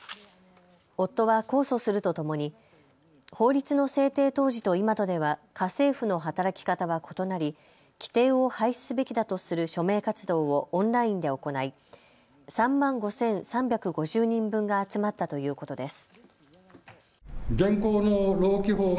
夫は控訴するとともに法律の制定当時と今とでは家政婦の働き方は異なり規定を廃止すべきだとする署名活動をオンラインで行い３万５３５０人分が集まったということです。